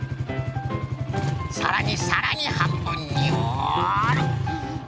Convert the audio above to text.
さらにさらにはんぶんにおる。